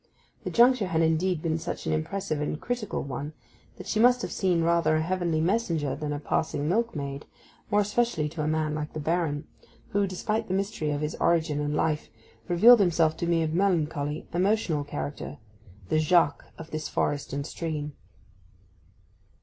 The juncture had indeed been such an impressive and critical one that she must have seemed rather a heavenly messenger than a passing milkmaid, more especially to a man like the Baron, who, despite the mystery of his origin and life, revealed himself to be a melancholy, emotional character—the Jacques of this forest and stream.